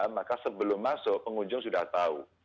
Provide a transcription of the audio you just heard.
maka sebelum masuk pengunjung sudah tahu